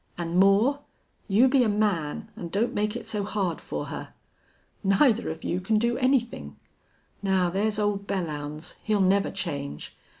"An' Moore, you be a man an' don't make it so hard for her. Neither of you can do anythin'.... Now there's old Belllounds he'll never change.